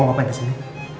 kamu mau main disini